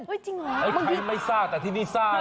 เฮ้ยจริงหรอไอ้ใครไม่ซ่าแต่ที่นี่ซ่านะ